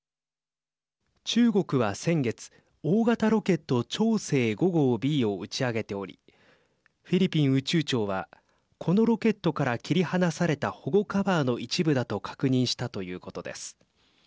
中国は先月大型ロケット長征５号Ｂを打ち上げておりフィリピン宇宙庁はこのロケットから切り離された保護カバーの一部だと確認したということです。